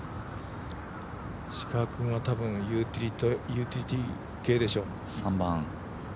石川君は多分、ユーティリティー系でしょう。